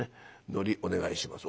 のりお願いします」。